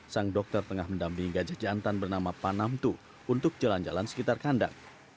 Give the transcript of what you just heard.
sang dokter tengah mendampingi gajah jantan bernama panamtu untuk jalan jalan sekitar kandang